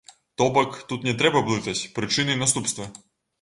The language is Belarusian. То бок, тут не трэба блытаць прычыны і наступствы.